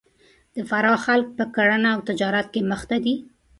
د فراه خلک په کرهنه او تجارت کې مخ ته دي